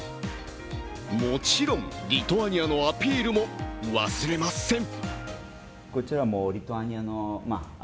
もちろんリトアニアのアピールも忘れません。